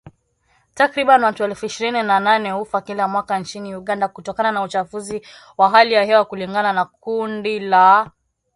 Takriban watu elfu ishirini na nane hufa kila mwaka nchini Uganda kutokana na uchafuzi wa hali ya hewa kulingana na kundi la